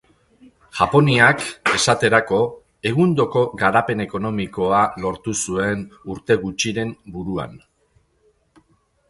Japoniak, esaterako, egundoko garapen ekonomikoa lortu zuen urte gutxiren buruan.